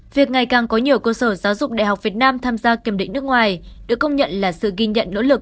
việc ngày càng có nhiều cơ sở giáo dục đại học việt nam tham gia kiểm định nước ngoài được công nhận là sự ghi nhận nỗ lực